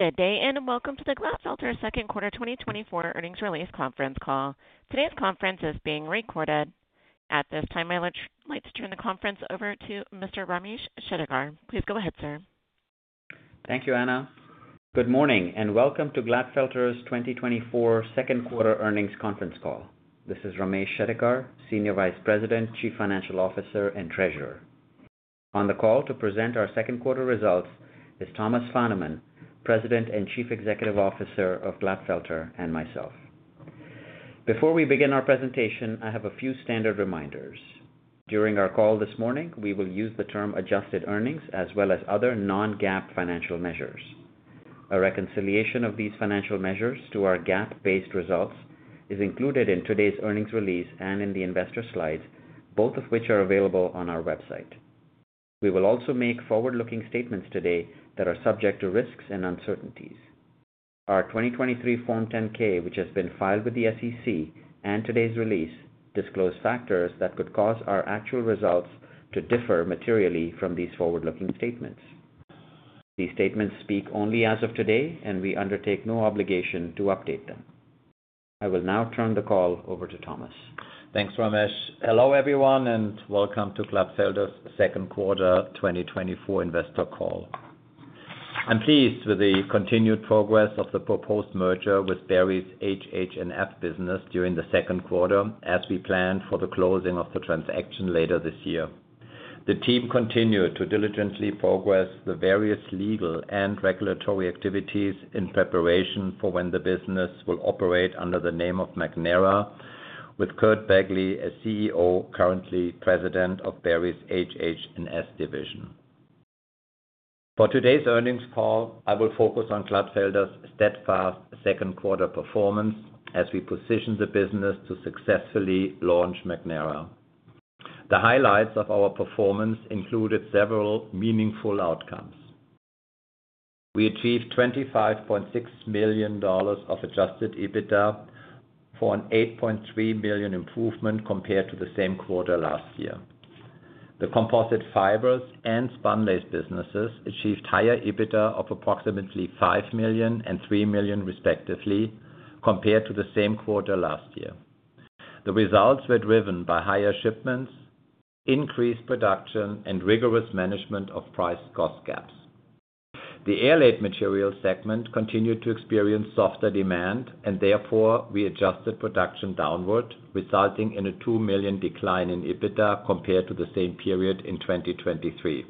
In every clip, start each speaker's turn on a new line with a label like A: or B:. A: Good day, and welcome to the Glatfelter Second Quarter 2024 Earnings Release Conference Call. Today's conference is being recorded. At this time, I would like to turn the conference over to Mr. Ramesh Shettigar. Please go ahead, sir.
B: Thank you, Anna. Good morning, and welcome to Glatfelter's 2024 second quarter earnings conference call. This is Ramesh Shettigar, Senior Vice President, Chief Financial Officer, and Treasurer. On the call to present our second quarter results is Thomas Fahnemann, President and Chief Executive Officer of Glatfelter, and myself. Before we begin our presentation, I have a few standard reminders. During our call this morning, we will use the term adjusted earnings as well as other non-GAAP financial measures. A reconciliation of these financial measures to our GAAP-based results is included in today's earnings release and in the investor slides, both of which are available on our website. We will also make forward-looking statements today that are subject to risks and uncertainties. Our 2023 Form 10-K, which has been filed with the SEC, and today's release, disclose factors that could cause our actual results to differ materially from these forward-looking statements. These statements speak only as of today, and we undertake no obligation to update them. I will now turn the call over to Thomas.
C: Thanks, Ramesh. Hello, everyone, and welcome to Glatfelter's second quarter 2024 investor call. I'm pleased with the continued progress of the proposed merger with Berry's HH&S business during the second quarter, as we plan for the closing of the transaction later this year. The team continued to diligently progress the various legal and regulatory activities in preparation for when the business will operate under the name of Magnera, with Curt Begle as CEO, currently President of Berry's HH&S division. For today's earnings call, I will focus on Glatfelter's steadfast second quarter performance as we position the business to successfully launch Magnera. The highlights of our performance included several meaningful outcomes. We achieved $25.6 million of adjusted EBITDA for an $8.3 billion improvement compared to the same quarter last year. The composite fibers and Spunlace businesses achieved higher EBITDA of approximately $5 million and $3 million, respectively, compared to the same quarter last year. The results were driven by higher shipments, increased production, and rigorous management of price-cost gaps. The Airlaid material segment continued to experience softer demand, and therefore, we adjusted production downward, resulting in a $2 million decline in EBITDA compared to the same period in 2023.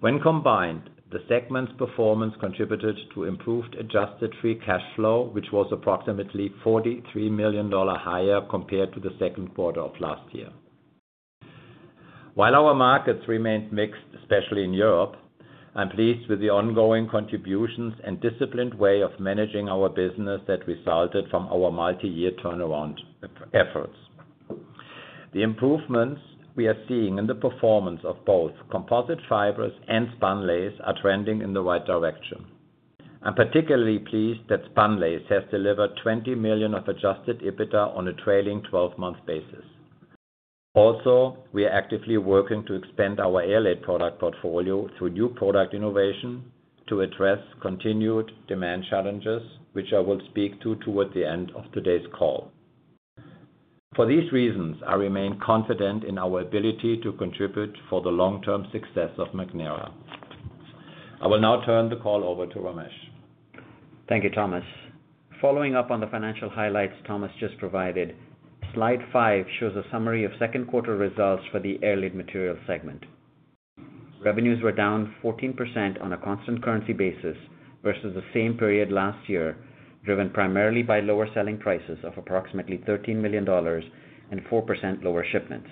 C: When combined, the segment's performance contributed to improved adjusted free cash flow, which was approximately $43 million higher compared to the second quarter of last year. While our markets remained mixed, especially in Europe, I'm pleased with the ongoing contributions and disciplined way of managing our business that resulted from our multi-year turnaround efforts. The improvements we are seeing in the performance of both composite fibers and Spunlace are trending in the right direction. I'm particularly pleased that Spunlace has delivered $20 million of adjusted EBITDA on a trailing twelve-month basis. Also, we are actively working to expand our Airlaid product portfolio through new product innovation to address continued demand challenges, which I will speak to towards the end of today's call. For these reasons, I remain confident in our ability to contribute for the long-term success of Magnera. I will now turn the call over to Ramesh.
B: Thank you, Thomas. Following up on the financial highlights Thomas just provided, slide 5 shows a summary of second quarter results for the Airlaid materials segment. Revenues were down 14% on a constant currency basis versus the same period last year, driven primarily by lower selling prices of approximately $13 million and 4% lower shipments.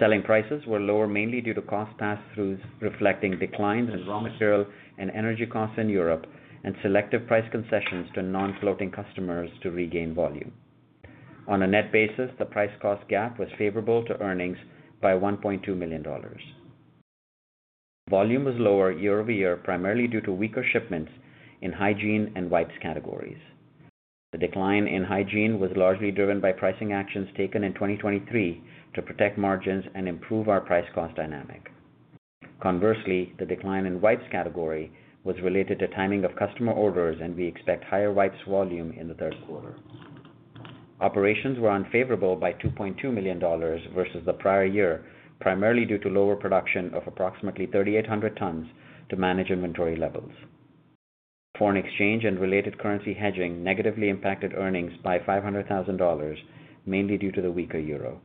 B: Selling prices were lower, mainly due to cost pass-throughs, reflecting declines in raw material and energy costs in Europe, and selective price concessions to non-floating customers to regain volume. On a net basis, the price-cost gap was favorable to earnings by $1.2 million. Volume was lower year-over-year, primarily due to weaker shipments in hygiene and wipes categories. The decline in hygiene was largely driven by pricing actions taken in 2023 to protect margins and improve our price-cost dynamic. Conversely, the decline in wipes category was related to timing of customer orders, and we expect higher wipes volume in the third quarter. Operations were unfavorable by $2.2 million versus the prior year, primarily due to lower production of approximately 3,800 tons to manage inventory levels. Foreign exchange and related currency hedging negatively impacted earnings by $500,000, mainly due to the weaker euro.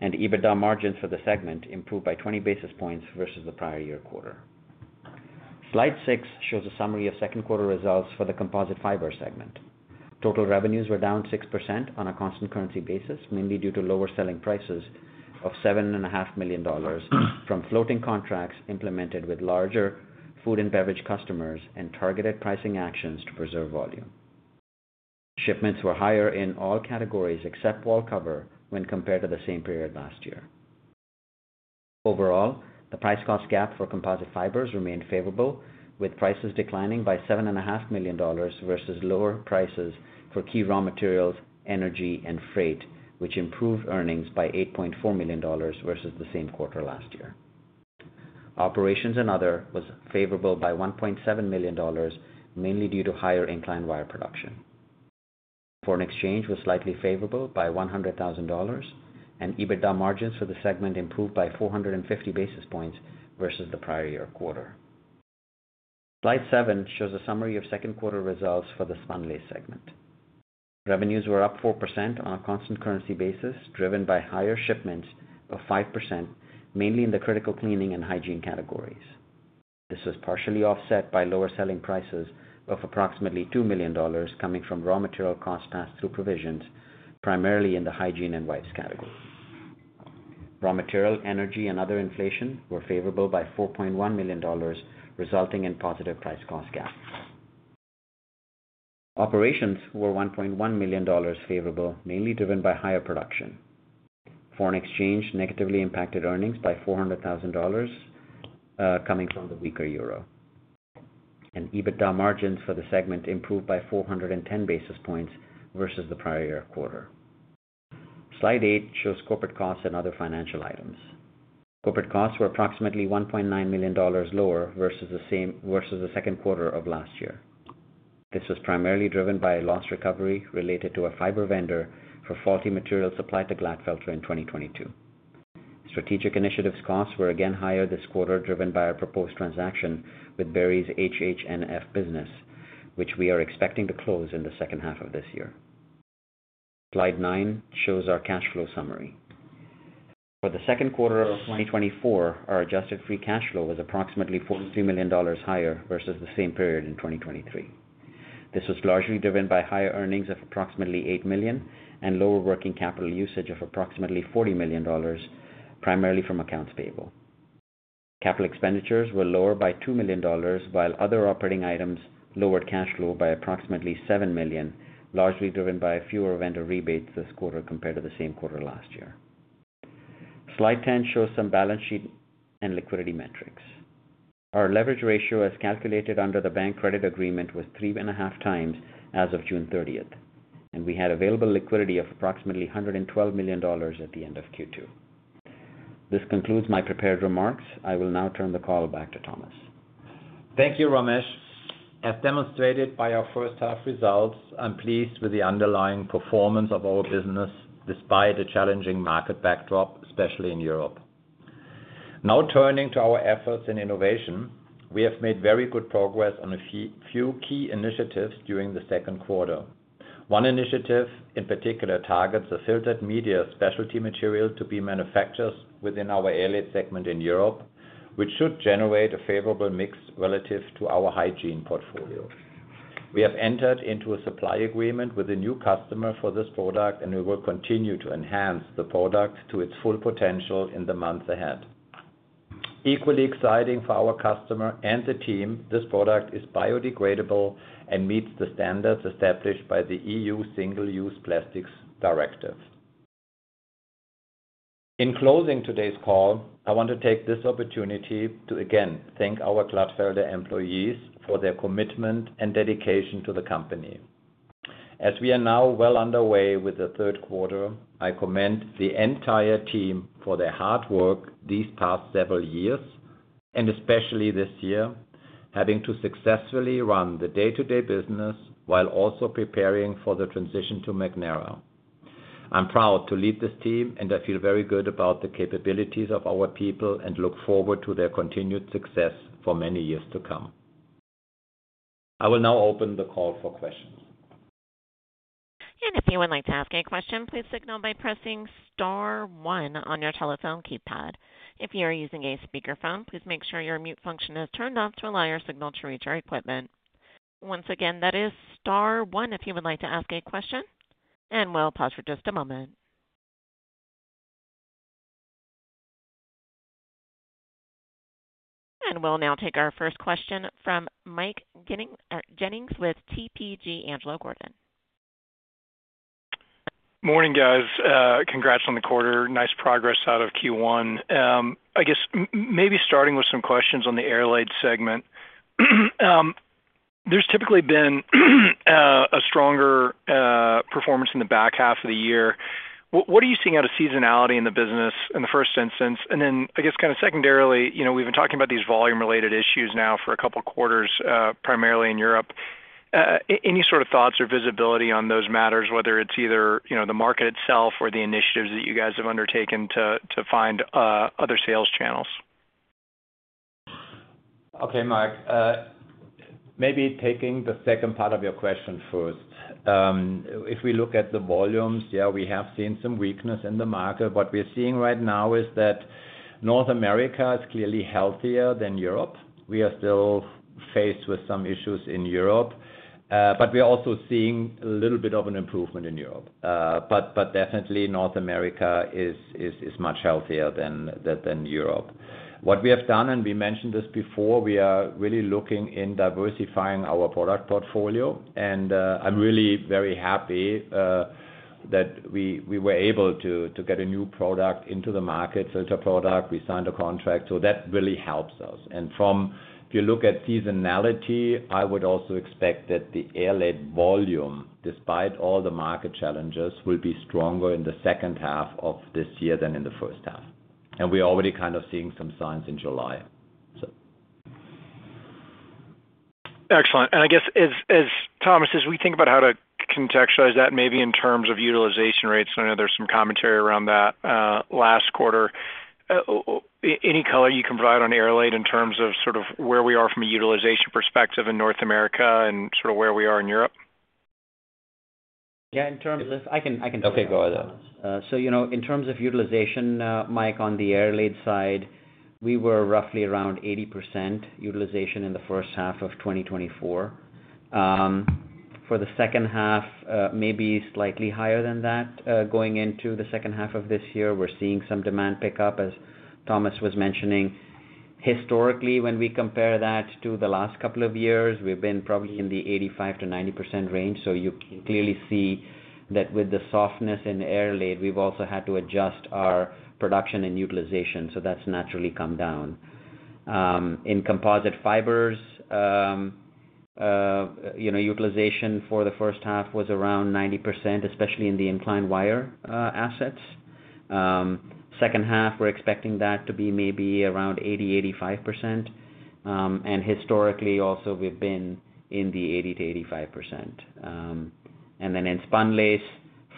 B: EBITDA margins for the segment improved by 20 basis points versus the prior year quarter. Slide six shows a summary of second quarter results for the composite fibers segment. Total revenues were down 6% on a constant currency basis, mainly due to lower selling prices of $7.5 million from floating contracts implemented with larger food and beverage customers and targeted pricing actions to preserve volume. Shipments were higher in all categories except wall cover when compared to the same period last year. Overall, the price-cost gap for composite fibers remained favorable, with prices declining by $7.5 million versus lower prices for key raw materials, energy, and freight, which improved earnings by $8.4 million versus the same quarter last year. Operations and other was favorable by $1.7 million, mainly due to higher inclined wire production. Foreign exchange was slightly favorable by $100,000, and EBITDA margins for the segment improved by 450 basis points versus the prior year quarter. Slide 7 shows a summary of second quarter results for the Spunlace segment. Revenues were up 4% on a constant currency basis, driven by higher shipments of 5%, mainly in the critical cleaning and hygiene categories. This was partially offset by lower selling prices of approximately $2 million, coming from raw material costs passed through provisions, primarily in the hygiene and wipes category. Raw material, energy, and other inflation were favorable by $4.1 million, resulting in positive price-cost gaps. Operations were $1.1 million favorable, mainly driven by higher production. Foreign exchange negatively impacted earnings by $400,000, coming from the weaker euro. And EBITDA margins for the segment improved by 410 basis points versus the prior year quarter. Slide 8 shows corporate costs and other financial items. Corporate costs were approximately $1.9 million lower versus the second quarter of last year. This was primarily driven by a loss recovery related to a fiber vendor for faulty materials supplied to Glatfelter in 2022. Strategic initiatives costs were again higher this quarter, driven by our proposed transaction with Berry's HH&S business, which we are expecting to close in the second half of this year. Slide 9 shows our cash flow summary. For the second quarter of 2024, our adjusted free cash flow was approximately $42 million higher versus the same period in 2023. This was largely driven by higher earnings of approximately $8 million and lower working capital usage of approximately $40 million, primarily from accounts payable. Capital expenditures were lower by $2 million, while other operating items lowered cash flow by approximately $7 million, largely driven by fewer vendor rebates this quarter compared to the same quarter last year. Slide 10 shows some balance sheet and liquidity metrics. Our leverage ratio, as calculated under the bank credit agreement, was 3.5 times as of June 30, and we had available liquidity of approximately $112 million at the end of Q2. This concludes my prepared remarks. I will now turn the call back to Thomas.
C: Thank you, Ramesh. As demonstrated by our first half results, I'm pleased with the underlying performance of our business despite the challenging market backdrop, especially in Europe. Now, turning to our efforts in innovation. We have made very good progress on a few key initiatives during the second quarter. One initiative, in particular, targets the filter media specialty material to be manufactured within our Airlaid segment in Europe, which should generate a favorable mix relative to our hygiene portfolio. We have entered into a supply agreement with a new customer for this product, and we will continue to enhance the product to its full potential in the months ahead. Equally exciting for our customer and the team, this product is biodegradable and meets the standards established by the EU Single-Use Plastics Directive. In closing today's call, I want to take this opportunity to again thank our Glatfelter employees for their commitment and dedication to the company. As we are now well underway with the third quarter, I commend the entire team for their hard work these past several years, and especially this year, having to successfully run the day-to-day business while also preparing for the transition to Magnera. I'm proud to lead this team, and I feel very good about the capabilities of our people and look forward to their continued success for many years to come. I will now open the call for questions.
A: And if you would like to ask a question, please signal by pressing star one on your telephone keypad. If you are using a speakerphone, please make sure your mute function is turned off to allow your signal to reach our equipment. Once again, that is star one if you would like to ask a question, and we'll pause for just a moment. And we'll now take our first question from Mike Jennings with TPG Angelo Gordon.
D: Morning, guys, congrats on the quarter. Nice progress out of Q1. I guess maybe starting with some questions on the Airlaid segment. There's typically been a stronger performance in the back half of the year. What are you seeing out of seasonality in the business in the first instance? And then, I guess, kind of secondarily, you know, we've been talking about these volume-related issues now for a couple of quarters, primarily in Europe. Any sort of thoughts or visibility on those matters, whether it's either, you know, the market itself or the initiatives that you guys have undertaken to find other sales channels?
C: Okay, Mike, maybe taking the second part of your question first. If we look at the volumes, yeah, we have seen some weakness in the market. What we're seeing right now is that North America is clearly healthier than Europe. We are still faced with some issues in Europe, but we are also seeing a little bit of an improvement in Europe. But definitely North America is much healthier than Europe. What we have done, and we mentioned this before, we are really looking in diversifying our product portfolio. And I'm really very happy that we were able to get a new product into the market, filter product. We signed a contract, so that really helps us. If you look at seasonality, I would also expect that the Airlaid volume, despite all the market challenges, will be stronger in the second half of this year than in the first half, and we're already kind of seeing some signs in July, so.
D: Excellent. And I guess as Thomas, as we think about how to contextualize that, maybe in terms of utilization rates, I know there's some commentary around that last quarter. Any color you can provide on Airlaid in terms of sort of where we are from a utilization perspective in North America and sort of where we are in Europe?
B: Yeah, in terms of-- I can, I can do it.
C: Okay, go ahead.
B: So, you know, in terms of utilization, Mike, on the Airlaid side, we were roughly around 80% utilization in the first half of 2024. For the second half, maybe slightly higher than that. Going into the second half of this year, we're seeing some demand pickup, as Thomas was mentioning. Historically, when we compare that to the last couple of years, we've been probably in the 85% to 90% range, so you can clearly see that with the softness in Airlaid, we've also had to adjust our production and utilization, so that's naturally come down. In Composite fibers, you know, utilization for the first half was around 90%, especially in the Inclined wire assets. Second half, we're expecting that to be maybe around 80-85%. And historically, also, we've been in the 80% to85%. And then in Spunlace,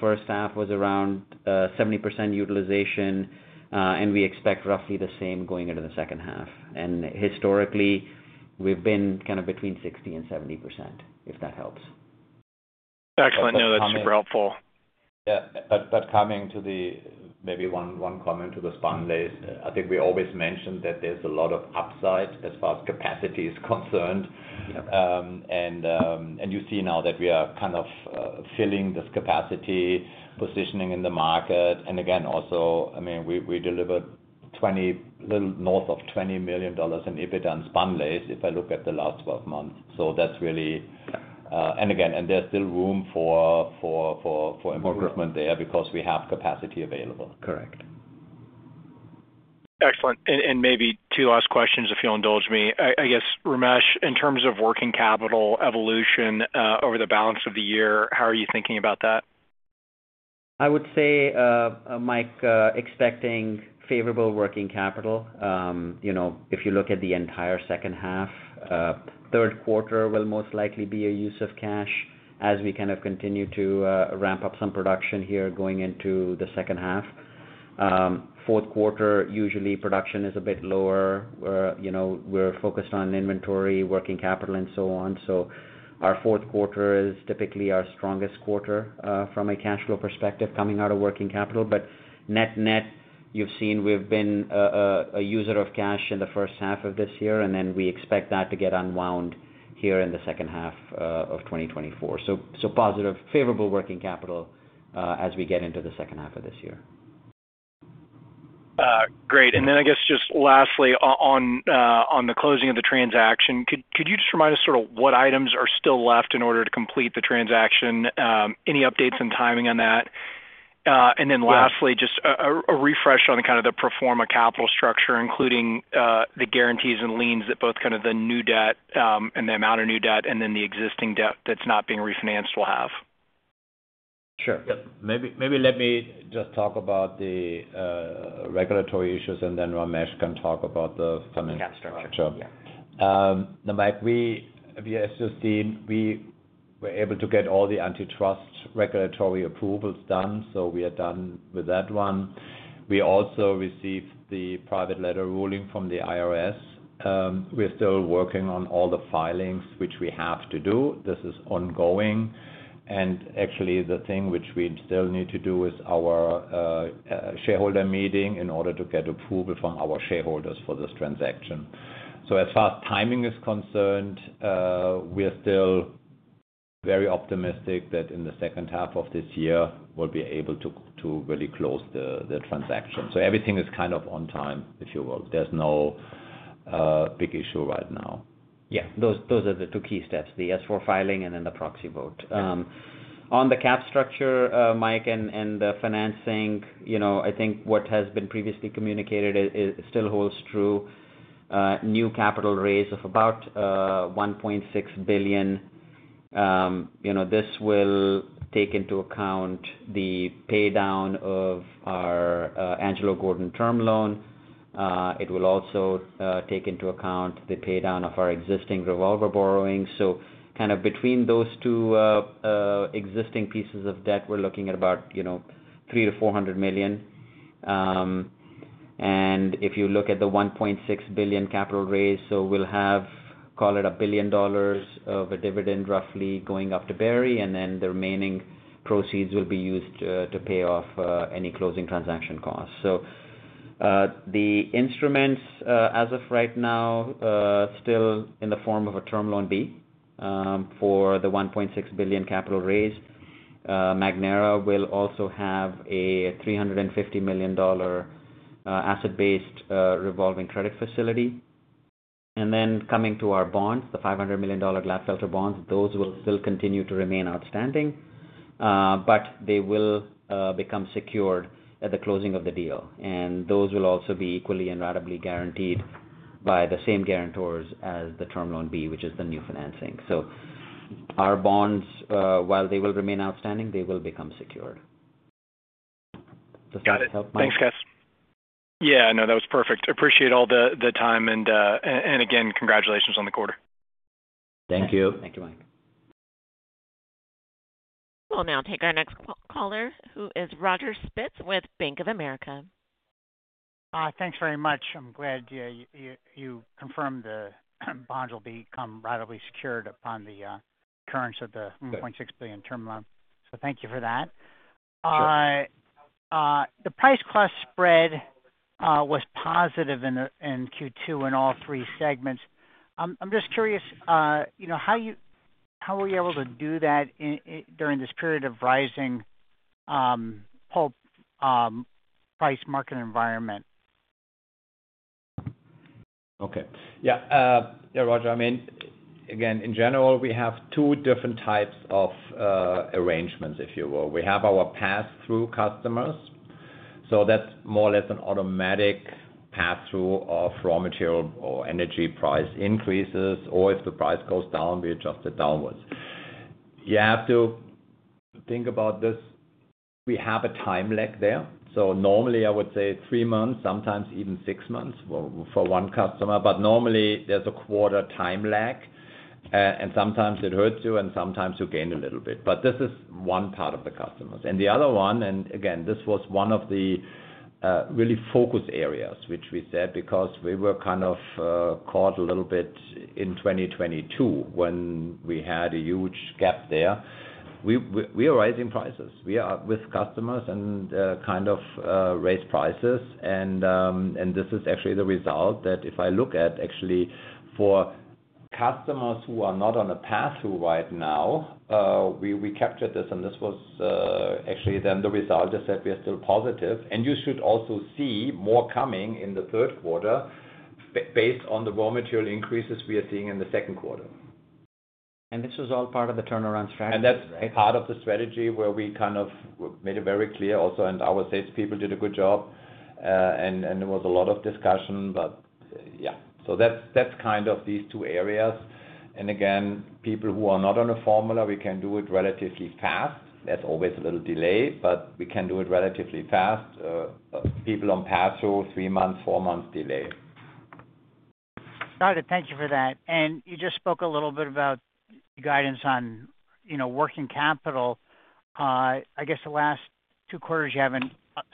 B: first half was around 70% utilization, and we expect roughly the same going into the second half. And historically, we've been kind of between 60% and 70%, if that helps.
D: Excellent. No, that's super helpful.
C: Yeah, but coming to the, maybe one comment to the Spunlace. I think we always mentioned that there's a lot of upside as far as capacity is concerned. And you see now that we are kind of filling this capacity, positioning in the market. And again, also, I mean, we delivered little north of $20 million in EBITDA in Spunlace, if I look at the last 12 months. So that's really... And again, and there's still room for improvement there, because we have capacity available.
B: Correct.
D: Excellent. And maybe two last questions, if you'll indulge me. I guess, Ramesh, in terms of working capital evolution over the balance of the year, how are you thinking about that?
B: I would say, Mike, expecting favorable working capital. You know, if you look at the entire second half, third quarter will most likely be a use of cash as we kind of continue to ramp up some production here going into the second half. Fourth quarter, usually production is a bit lower, you know, we're focused on inventory, working capital, and so on. So our fourth quarter is typically our strongest quarter, from a cash flow perspective, coming out of working capital. But net-net, you've seen we've been a user of cash in the first half of this year, and then we expect that to get unwound here in the second half of 2024. So positive, favorable working capital, as we get into the second half of this year.
D: Great. And then I guess, just lastly, on the closing of the transaction, could you just remind us sort of what items are still left in order to complete the transaction? Any updates and timing on that? And then lastly-
B: Yeah
D: Just a refresh on kind of the pro forma capital structure, including the guarantees and liens that both kind of the new debt and the amount of new debt, and then the existing debt that's not being refinanced will have.
C: Sure. Yep. Maybe, maybe let me just talk about the regulatory issues, and then Ramesh can talk about the financial structure.
B: Sure.
C: Now, Mike, we have just seen we were able to get all the antitrust regulatory approvals done, so we are done with that one. We also received the private letter ruling from the IRS. We are still working on all the filings, which we have to do. This is ongoing, and actually, the thing which we still need to do is our shareholder meeting in order to get approval from our shareholders for this transaction. So as far as timing is concerned, we are still very optimistic that in the second half of this year, we'll be able to really close the transaction. So everything is kind of on time, if you will. There's no big issue right now.
B: Yeah, those are the two key steps, the S-4 filing and then the proxy vote.
C: Yeah.
B: On the capital structure, Mike, and the financing, you know, I think what has been previously communicated is still holds true. New capital raise of about $1.6 billion. You know, this will take into account the paydown of our Angelo Gordon term loan. It will also take into account the paydown of our existing revolver borrowing. So kind of between those two existing pieces of debt, we're looking at about, you know, $300 million to $400 million. And if you look at the $1.6 billion capital raise, so we'll have, call it $1 billion of a dividend, roughly going up to Berry, and then the remaining proceeds will be used to pay off any closing transaction costs. So, the instruments, as of right now, still in the form of a term loan B, for the $1.6 billion capital raise. Magnera will also have a $350 million asset-based revolving credit facility. And then coming to our bonds, the $500 million Glatfelter bonds, those will still continue to remain outstanding, but they will become secured at the closing of the deal. And those will also be equally and ratably guaranteed by the same guarantors as the term loan B, which is the new financing. So our bonds, while they will remain outstanding, they will become secured.
D: Got it. Thanks, guys. Yeah, no, that was perfect. Appreciate all the time and again, congratulations on the quarter.
C: Thank you.
B: Thank you, Mike.
A: We'll now take our next caller, who is Roger Spitz with Bank of America.
E: Thanks very much. I'm glad you confirmed the bonds will become ratably secured upon the occurrence of the-
C: Good
E: - $0.6 billion term loan. So thank you for that.
C: Sure.
E: The price cost spread was positive in Q2 in all three segments. I'm just curious, you know, how you- how were you able to do that in, during this period of rising pulp price market environment?
C: Okay. Yeah, yeah, Roger, I mean, again, in general, we have 2 different types of arrangements, if you will. We have our pass-through customers, so that's more or less an automatic pass-through of raw material or energy price increases, or if the price goes down, we adjust it downwards. You have to think about this: We have a time lag there, so normally, I would say 3 months, sometimes even 6 months for one customer. But normally there's a quarter time lag, and sometimes it hurts you, and sometimes you gain a little bit. But this is one part of the customers. And the other one, and again, this was one of the really focus areas, which we said because we were kind of caught a little bit in 2022 when we had a huge gap there. We are raising prices. We are with customers and kind of raise prices, and this is actually the result that if I look at actually for customers who are not on a pass-through right now, we captured this, and this was actually then the result is that we are still positive. And you should also see more coming in the third quarter, based on the raw material increases we are seeing in the second quarter.
E: This was all part of the turnaround strategy, right?
C: That's part of the strategy where we kind of made it very clear also, and our salespeople did a good job, and there was a lot of discussion. But yeah, so that's, that's kind of these two areas. Again, people who are not on a formula, we can do it relatively fast. There's always a little delay, but we can do it relatively fast. People on pass-through, three months, four months delay.
E: Got it. Thank you for that. And you just spoke a little bit about guidance on, you know, working capital. I guess the last two quarters, you haven't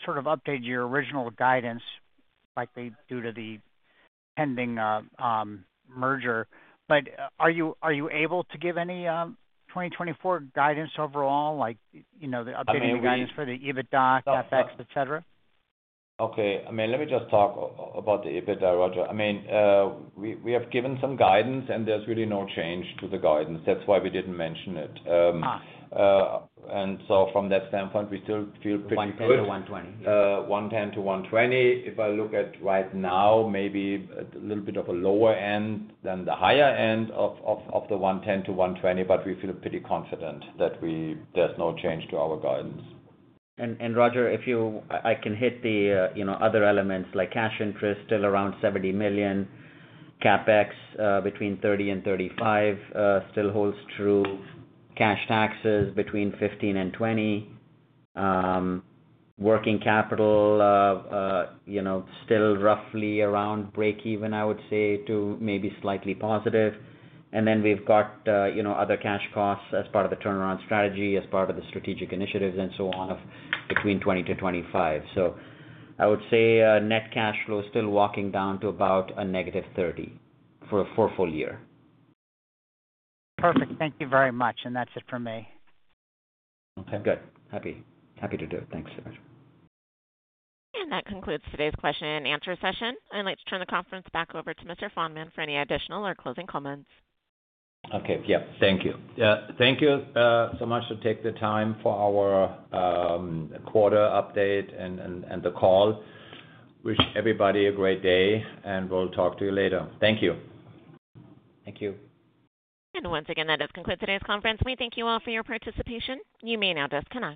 E: sort of updated your original guidance, likely due to the pending merger. But are you, are you able to give any 2024 guidance overall, like, you know, the updated-
C: I mean, we-
E: Guidance for the EBITDA, CapEx, et cetera?
C: Okay, I mean, let me just talk about the EBITDA, Roger. I mean, we, we have given some guidance, and there's really no change to the guidance. That's why we didn't mention it.
E: Ah.
C: And so from that standpoint, we still feel pretty good.
E: 110 to 120.
C: 110 to 120. If I look at right now, maybe a little bit of a lower end than the higher end of the 110 to 120, but we feel pretty confident that we—there's no change to our guidance.
B: Roger, if you... I can hit the, you know, other elements like cash interest, still around $70 million. CapEx, between 30-35, still holds true. Cash taxes between 15-20. Working capital, you know, still roughly around breakeven, I would say, to maybe slightly positive. And then we've got, you know, other cash costs as part of the turnaround strategy, as part of the strategic initiatives, and so on, of between 20-25. So I would say, net cash flow is still walking down to about a -$30 for a full year.
E: Perfect. Thank you very much. That's it for me.
B: Okay, good. Happy, happy to do it. Thanks so much.
A: That concludes today's question and answer session. I'd like to turn the conference back over to Mr. Fahnemann for any additional or closing comments.
C: Okay. Yeah, thank you. Thank you so much to take the time for our quarter update and the call. Wish everybody a great day, and we'll talk to you later. Thank you.
B: Thank you.
A: Once again, that does conclude today's conference. We thank you all for your participation. You may now disconnect.